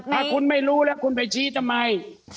ถ้าคุณไม่รู้แล้วคุณไปชี้ทำไม